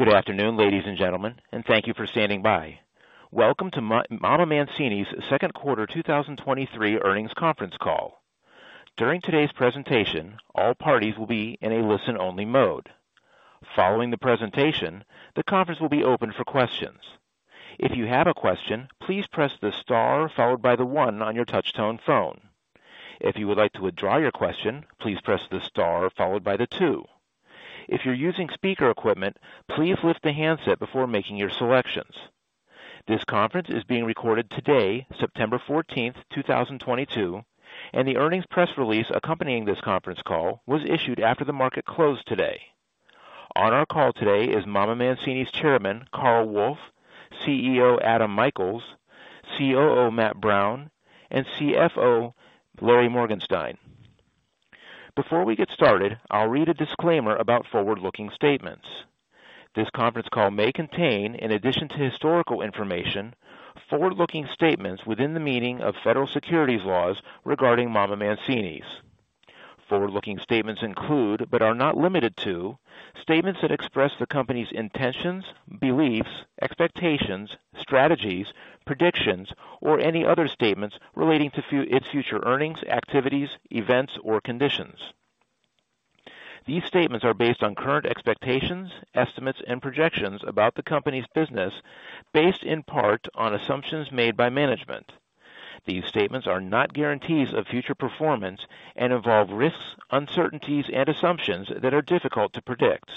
Good afternoon, ladies and gentlemen, and thank you for standing by. Welcome to MamaMancini's second quarter 2023 earnings conference call. During today's presentation, all parties will be in a listen-only mode. Following the presentation, the conference will be open for questions. If you have a question, please press the star followed by the one on your touchtone phone. If you would like to withdraw your question, please press the star followed by the two. If you're using speaker equipment, please lift the handset before making your selections. This conference is being recorded today, September 14, 2022, and the earnings press release accompanying this conference call was issued after the market closed today. On our call today is MamaMancini's chairman, Carl Wolf, CEO Adam Michaels, COO Matt Brown, and CFO Larry Morgenstein. Before we get started, I'll read a disclaimer about forward-looking statements. This conference call may contain, in addition to historical information, forward-looking statements within the meaning of federal securities laws regarding MamaMancini's. Forward-looking statements include, but are not limited to, statements that express the company's intentions, beliefs, expectations, strategies, predictions, or any other statements relating to future earnings, activities, events, or conditions. These statements are based on current expectations, estimates, and projections about the company's business, based in part on assumptions made by management. These statements are not guarantees of future performance and involve risks, uncertainties, and assumptions that are difficult to predict.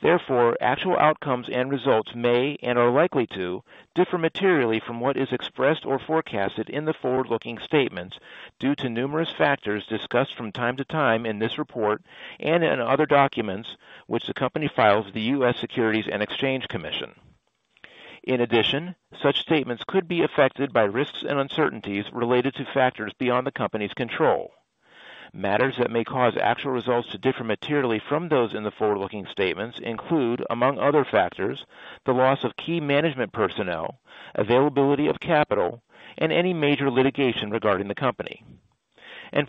Therefore, actual outcomes and results may, and are likely to, differ materially from what is expressed or forecasted in the forward-looking statements due to numerous factors discussed from time to time in this report and in other documents which the company files with the US Securities and Exchange Commission. In addition, such statements could be affected by risks and uncertainties related to factors beyond the company's control. Matters that may cause actual results to differ materially from those in the forward-looking statements include, among other factors, the loss of key management personnel, availability of capital, and any major litigation regarding the company.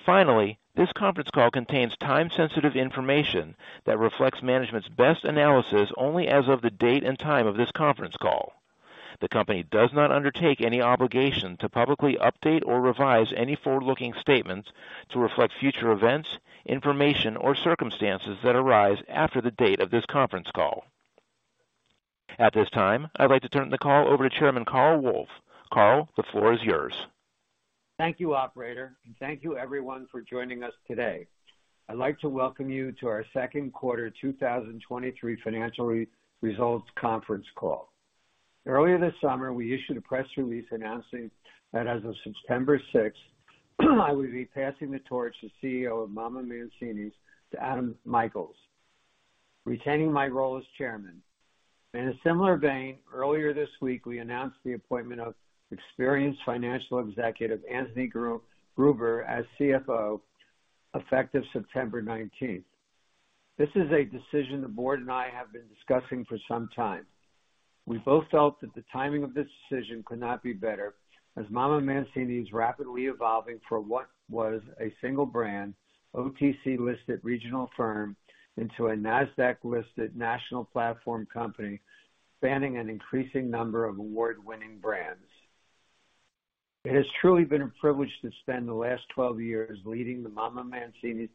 Finally, this conference call contains time-sensitive information that reflects management's best analysis only as of the date and time of this conference call. The company does not undertake any obligation to publicly update or revise any forward-looking statements to reflect future events, information, or circumstances that arise after the date of this conference call. At this time, I'd like to turn the call over to Chairman Carl Wolf. Carl, the floor is yours. Thank you, Operator, and thank you everyone for joining us today. I'd like to welcome you to our second quarter 2023 financial results conference call. Earlier this summer, we issued a press release announcing that as of September 6, I would be passing the torch to CEO of MamaMancini's, to Adam Michaels, retaining my role as chairman. In a similar vein, earlier this week, we announced the appointment of experienced financial executive Anthony Gruber as CFO, effective September 19. This is a decision the board and I have been discussing for some time. We both felt that the timing of this decision could not be better, as MamaMancini's rapidly evolving from what was a single brand, OTC-listed regional firm into a Nasdaq-listed national platform company spanning an increasing number of award-winning brands. It has truly been a privilege to spend the last 12 years leading the MamaMancini's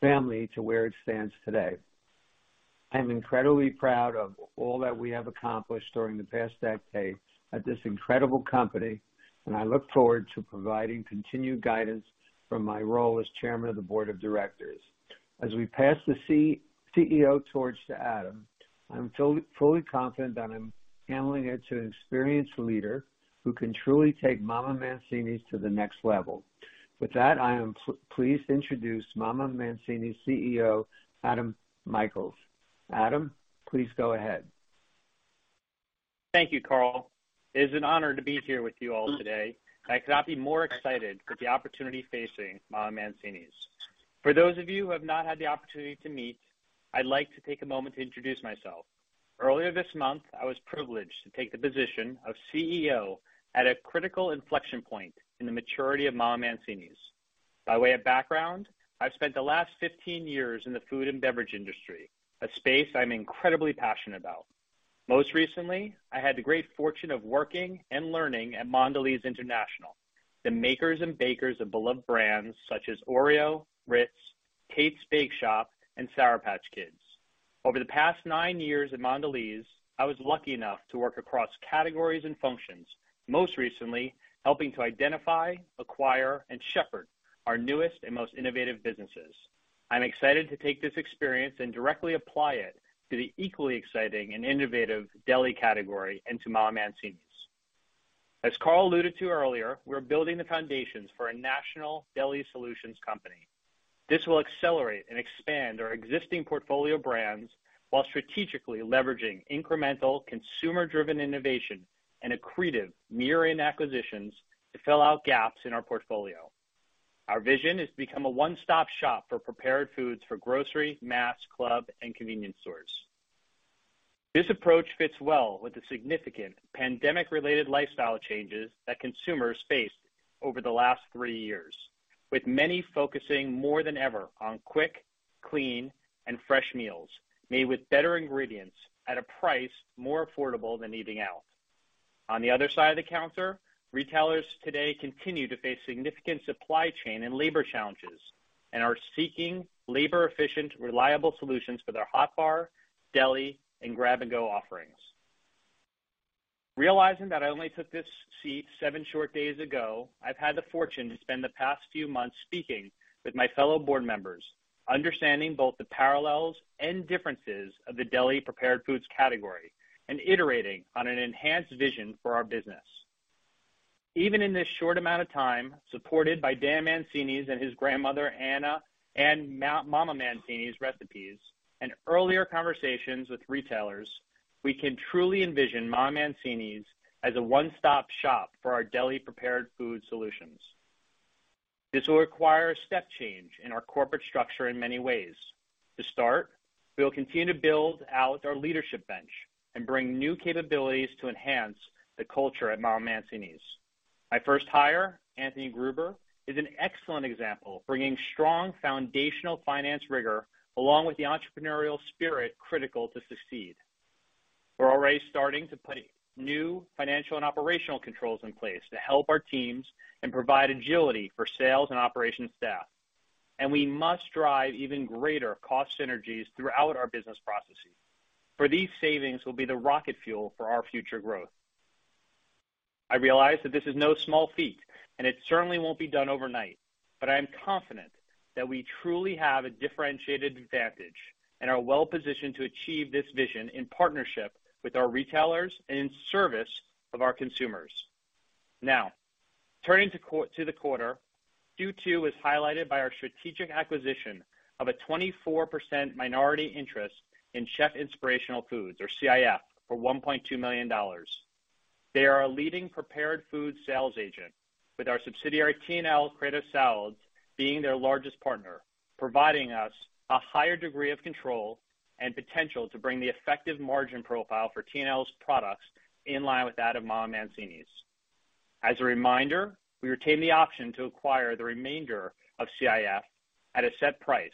family to where it stands today. I'm incredibly proud of all that we have accomplished during the past decade at this incredible company, and I look forward to providing continued guidance from my role as Chairman of the board of directors. As we pass the CEO torch to Adam, I'm fully confident that I'm handling it to an experienced leader who can truly take MamaMancini's to the next level. With that, I am pleased to introduce MamaMancini's CEO, Adam Michaels. Adam, please go ahead. Thank you, Carl. It is an honor to be here with you all today. I could not be more excited for the opportunity facing MamaMancini's. For those of you who have not had the opportunity to meet, I'd like to take a moment to introduce myself. Earlier this month, I was privileged to take the position of CEO at a critical inflection point in the maturity of MamaMancini's. By way of background, I've spent the last 15 years in the food and beverage industry, a space I'm incredibly passionate about. Most recently, I had the great fortune of working and learning at Mondelez International, the makers and bakers of beloved brands such as Oreo, Ritz, Tate's Bake Shop, and Sour Patch Kids. Over the past nine years at Mondelez, I was lucky enough to work across categories and functions, most recently helping to identify, acquire, and shepherd our newest and most innovative businesses. I'm excited to take this experience and directly apply it to the equally exciting and innovative deli category into MamaMancini's. As Carl alluded to earlier, we're building the foundations for a national deli solutions company. This will accelerate and expand our existing portfolio brands while strategically leveraging incremental consumer-driven innovation and accretive near-in acquisitions to fill out gaps in our portfolio. Our vision is to become a one-stop shop for prepared foods for grocery, mass, club, and convenience stores. This approach fits well with the significant pandemic-related lifestyle changes that consumers faced over the last three years. With many focusing more than ever on quick, clean, fresh meals made with better ingredients at a price more affordable than eating out. On the other side of the counter, retailers today continue to face significant supply chain and labor challenges, and are seeking labor-efficient, reliable solutions for their hot bar, deli, and grab-and-go offerings. Realizing that I only took this seat seven short days ago, I've had the fortune to spend the past few months speaking with my fellow board members, understanding both the parallels and differences of the deli prepared foods category, and iterating on an enhanced vision for our business. Even in this short amount of time, supported by Dan Mancini and his grandmother, Anna, and MamaMancini's recipes, and earlier conversations with retailers, we can truly envision MamaMancini's as a one-stop shop for our deli-prepared food solutions. This will require a step change in our corporate structure in many ways. To start, we will continue to build out our leadership bench and bring new capabilities to enhance the culture at MamaMancini's. My first hire, Anthony Gruber, is an excellent example, bringing strong foundational finance rigor along with the entrepreneurial spirit critical to succeed. We're already starting to put new financial and operational controls in place to help our teams and provide agility for sales and operations staff. We must drive even greater cost synergies throughout our business processes, for these savings will be the rocket fuel for our future growth. I realize that this is no small feat, and it certainly won't be done overnight, but I am confident that we truly have a differentiated advantage and are well-positioned to achieve this vision in partnership with our retailers and in service of our consumers. Now, turning to the quarter, Q2 is highlighted by our strategic acquisition of a 24% minority interest in Chef Inspirational Foods, or CIF, for $1.2 million. They are a leading prepared food sales agent, with our subsidiary, T&L Creative Salads, being their largest partner, providing us a higher degree of control and potential to bring the effective margin profile for T&L's products in line with that of MamaMancini's. As a reminder, we retain the option to acquire the remainder of CIF at a set price,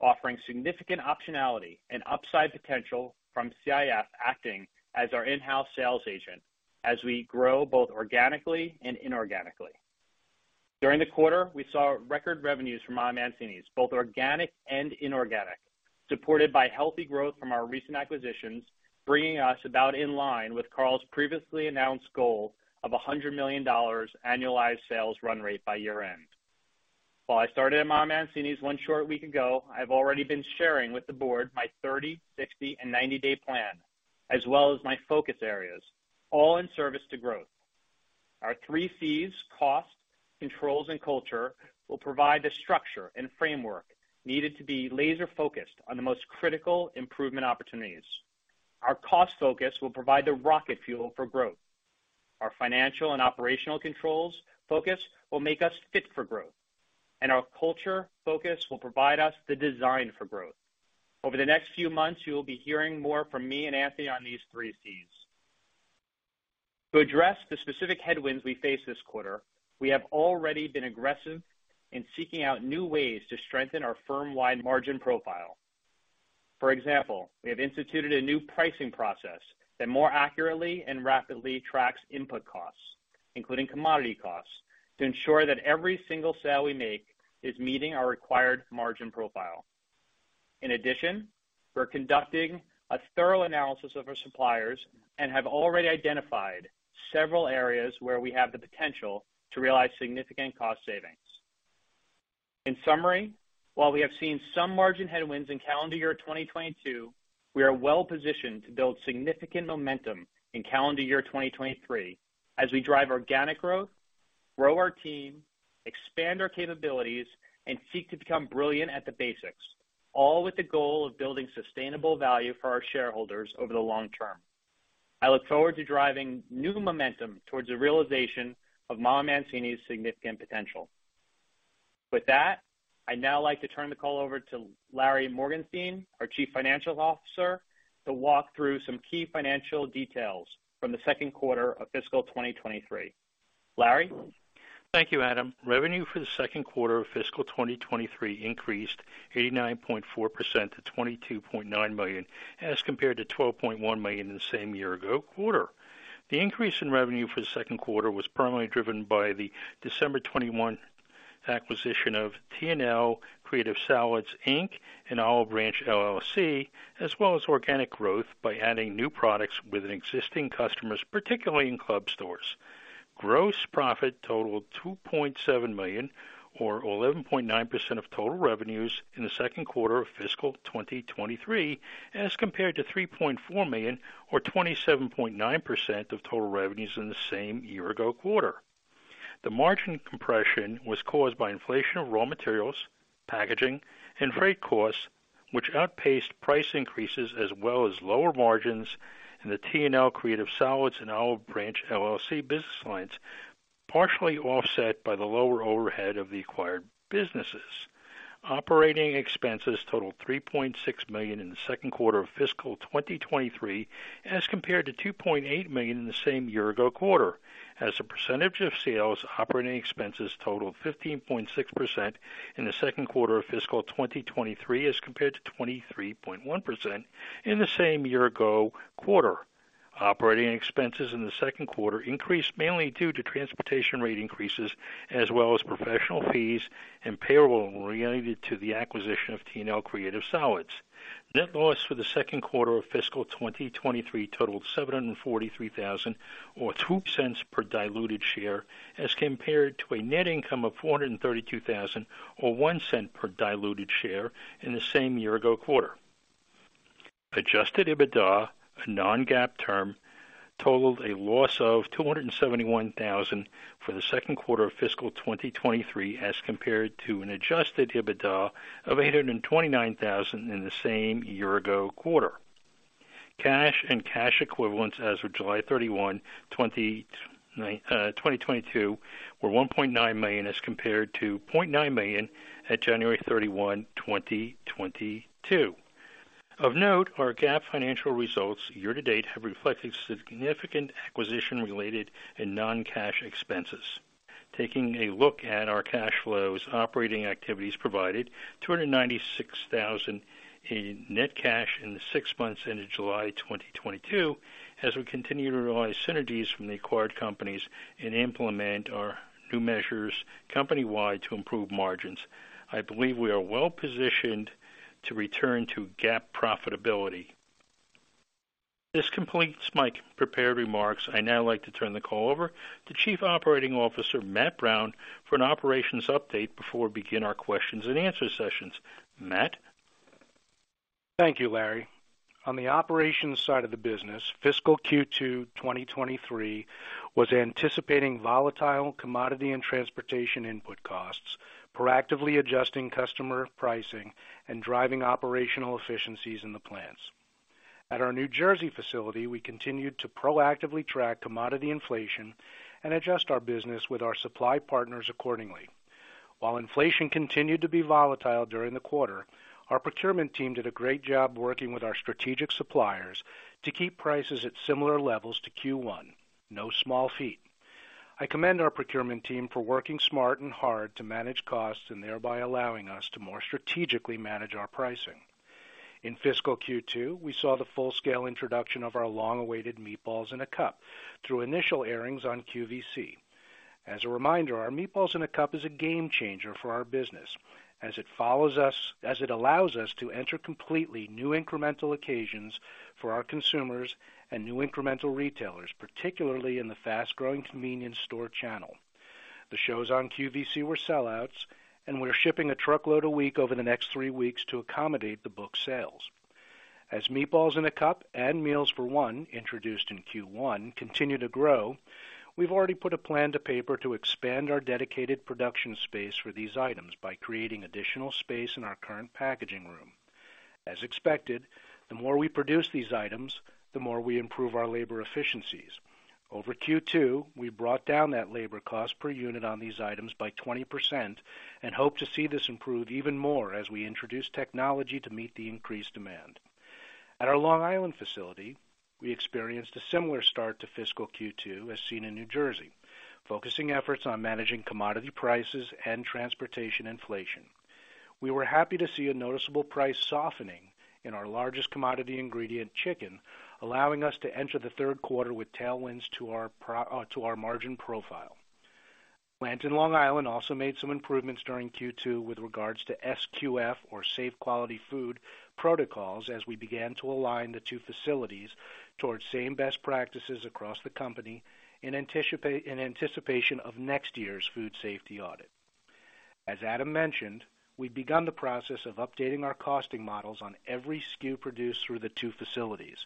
offering significant optionality and upside potential from CIF acting as our in-house sales agent as we grow both organically and inorganically. During the quarter, we saw record revenues from MamaMancini's, both organic and inorganic, supported by healthy growth from our recent acquisitions, bringing us about in line with Carl's previously announced goal of $100 million annualized sales run rate by year-end. While I started at MamaMancini's one short week ago, I've already been sharing with the board my 30-, 60-, and 90-day plan, as well as my focus areas, all in service to growth. Our three Cs, cost, controls, and culture, will provide the structure and framework needed to be laser-focused on the most critical improvement opportunities. Our cost focus will provide the rocket fuel for growth. Our financial and operational controls focus will make us fit for growth. Our culture focus will provide us the design for growth. Over the next few months, you'll be hearing more from me and Anthony on these three Cs. To address the specific headwinds we face this quarter, we have already been aggressive in seeking out new ways to strengthen our firm-wide margin profile. For example, we have instituted a new pricing process that more accurately and rapidly tracks input costs, including commodity costs, to ensure that every single sale we make is meeting our required margin profile. In addition, we're conducting a thorough analysis of our suppliers and have already identified several areas where we have the potential to realize significant cost savings. In summary, while we have seen some margin headwinds in calendar year 2022, we are well positioned to build significant momentum in calendar year 2023 as we drive organic growth, grow our team, expand our capabilities, and seek to become brilliant at the basics, all with the goal of building sustainable value for our shareholders over the long term. I look forward to driving new momentum towards the realization of MamaMancini's significant potential. With that, I'd now like to turn the call over to Larry Morgenstein, our Chief Financial Officer, to walk through some key financial details from the second quarter of fiscal 2023. Larry? Thank you, Adam. Revenue for the second quarter of fiscal 2023 increased 89.4% to $22.9 million, as compared to $12.1 million in the same year-ago quarter. The increase in revenue for the second quarter was primarily driven by the December 2021 acquisition of T&L Creative Salads, Inc. and Olive Branch, LLC, as well as organic growth by adding new products with existing customers, particularly in club stores. Gross profit totaled $2.7 million or 11.9% of total revenues in the second quarter of fiscal 2023, as compared to $3.4 million or 27.9% of total revenues in the same year-ago quarter. The margin compression was caused by inflation of raw materials, packaging, and freight costs, which outpaced price increases as well as lower margins in the T&L Creative Salads and Olive Branch, LLC business lines, partially offset by the lower overhead of the acquired businesses. Operating expenses totaled $3.6 million in the second quarter of fiscal 2023, as compared to $2.8 million in the same year ago quarter. As a percentage of sales, operating expenses totaled 15.6% in the second quarter of fiscal 2023, as compared to 23.1% in the same year ago quarter. Operating expenses in the second quarter increased mainly due to transportation rate increases as well as professional fees and payroll related to the acquisition of T&L Creative Salads. Net loss for the second quarter of fiscal 2023 totaled $743,000 or $0.02 per diluted share as compared to a net income of $432,000 or $0.01 per diluted share in the same year ago quarter. Adjusted EBITDA, a non-GAAP term, totaled a loss of $271,000 for the second quarter of fiscal 2023, as compared to an adjusted EBITDA of $829,000 in the same year ago quarter. Cash and cash equivalents as of July 31, 2022 were $1.9 million as compared to $0.9 million at January 31, 2022. Of note, our GAAP financial results year-to-date have reflected significant acquisition-related and non-cash expenses. Taking a look at our cash flows, operating activities provided $296 thousand in net cash in the six months ended July 2022. As we continue to realize synergies from the acquired companies and implement our new measures company-wide to improve margins, I believe we are well-positioned to return to GAAP profitability. This completes my prepared remarks. I'd now like to turn the call over to Chief Operating Officer Matt Brown for an operations update before we begin our questions and answer sessions. Matt? Thank you, Larry. On the operations side of the business, fiscal Q2, 2023 was anticipating volatile commodity and transportation input costs, proactively adjusting customer pricing and driving operational efficiencies in the plants. At our New Jersey facility, we continued to proactively track commodity inflation and adjust our business with our supply partners accordingly. While inflation continued to be volatile during the quarter, our procurement team did a great job working with our strategic suppliers to keep prices at similar levels to Q1. No small feat. I commend our procurement team for working smart and hard to manage costs and thereby allowing us to more strategically manage our pricing. In fiscal Q2, we saw the full-scale introduction of our long-awaited Meatballs in a Cup through initial airings on QVC. As a reminder, our Meatballs in a Cup is a game changer for our business as it allows us to enter completely new incremental occasions for our consumers and new incremental retailers, particularly in the fast-growing convenience store channel. The shows on QVC were sellouts, and we're shipping a truckload a week over the next three weeks to accommodate the book sales. As Meatballs in a Cup and Meals for One, introduced in Q1, continue to grow, we've already put a plan to paper to expand our dedicated production space for these items by creating additional space in our current packaging room. As expected, the more we produce these items, the more we improve our labor efficiencies. Over Q2, we brought down that labor cost per unit on these items by 20% and hope to see this improve even more as we introduce technology to meet the increased demand. At our Long Island facility, we experienced a similar start to fiscal Q2 as seen in New Jersey, focusing efforts on managing commodity prices and transportation inflation. We were happy to see a noticeable price softening in our largest commodity ingredient, chicken, allowing us to enter the third quarter with tailwinds to our margin profile. Plant in Long Island also made some improvements during Q2 with regards to SQF or Safe Quality Food protocols as we began to align the two facilities towards same best practices across the company in anticipation of next year's food safety audit. As Adam mentioned, we've begun the process of updating our costing models on every SKU produced through the two facilities.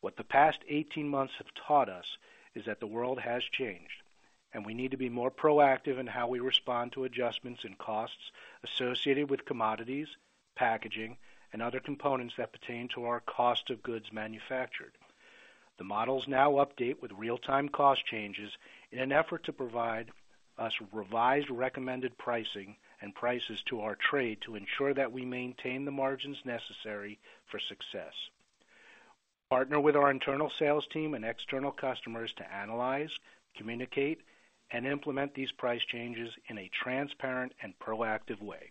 What the past 18 months have taught us is that the world has changed, and we need to be more proactive in how we respond to adjustments in costs associated with commodities, packaging, and other components that pertain to our cost of goods manufactured. The models now update with real-time cost changes in an effort to provide us revised, recommended pricing and prices to our trade to ensure that we maintain the margins necessary for success. Partner with our internal sales team and external customers to analyze, communicate, and implement these price changes in a transparent and proactive way.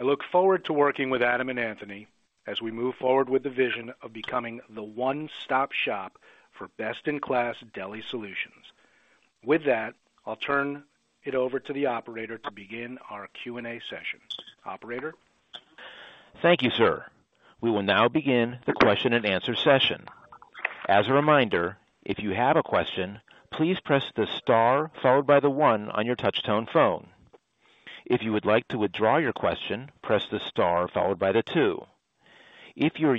I look forward to working with Adam and Anthony as we move forward with the vision of becoming the one-stop shop for best-in-class deli solutions. With that, I'll turn it over to the operator to begin our Q&A session. Operator?ill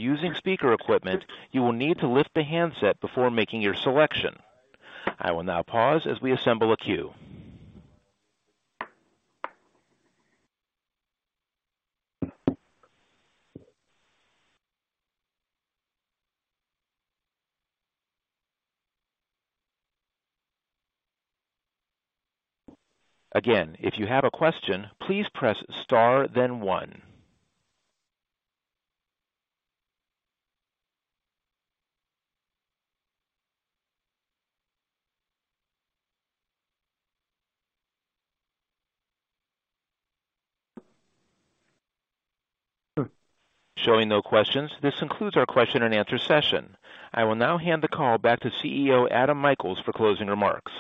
now hand the call back to CEO Adam Michaels for closing remarks.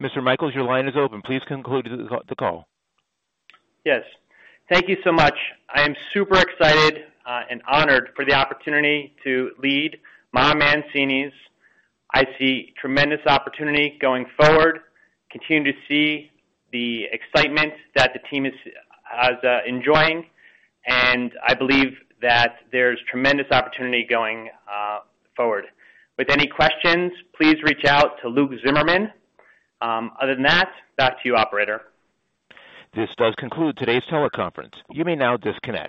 Mr. Michaels, your line is open. Please conclude the call. Yes. Thank you so much. I am super excited and honored for the opportunity to lead MamaMancini's. I see tremendous opportunity going forward, continue to see the excitement that the team is enjoying, and I believe that there's tremendous opportunity going forward. With any questions, please reach out to Luke Zimmerman. Other than that, back to you, operator. This does conclude today's teleconference. You may now disconnect.